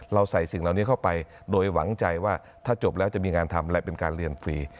ใส่สิ่งเหล่านี้เข้าไปโดยหวังใจว่าถ้าจบแล้วจะมีงานทำอะไรเป็นการเรียนฟรี